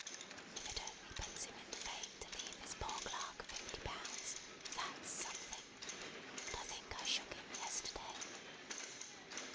If it only puts him in the vein to leave his poor clerk fifty pounds, that's something; and I think I shook him yesterday."